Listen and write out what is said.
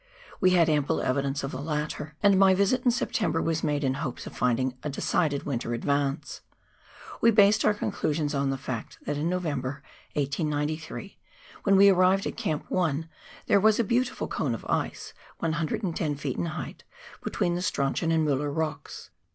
We had ample evidence of the latter, and my visit in September was made in hopes of finding a decided winter advance. We based our conclusions on the fact that in November, 1893, when we arrived at Camp 1, there was a beautiful cone of ice, 110 ft. in height, between the Strauchon and Mueller Rocks.